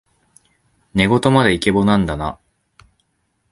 寝言までイケボなんだな